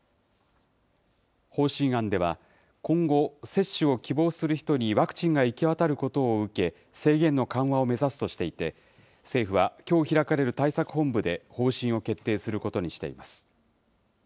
方針案では、今後、接種を希望する人にワクチンが行き渡ることを受け、制限の緩和を目指すとしていて、政府は、きょう開かれる対策本部で方針を決定することにしています。